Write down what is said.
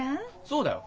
そうだよ。